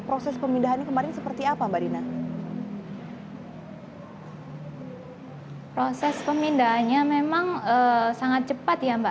proses pemindahan kemarin seperti apa badinah proses pemindahannya memang sangat cepat ya mbak